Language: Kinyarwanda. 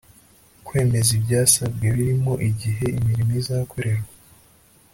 kwemeza ibyasabwe birimo igihe imirimo izakorerwa